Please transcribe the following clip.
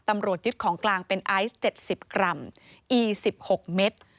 ตำรวจยึดของกลางเป็นไอซ์๗๐กรัมอี๑๖เมตร